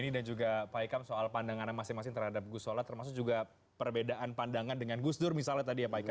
terima kasih juga pak ika soal pandangannya masing masing terhadap gus solah termasuk juga perbedaan pandangan dengan gus dur misalnya tadi ya pak ika